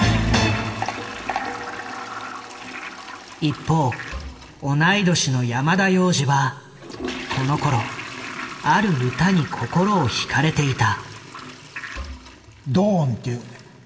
一方同い年の山田洋次はこのころある歌に心を引かれていた。